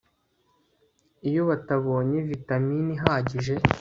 iyo batabonye vitamini ihagije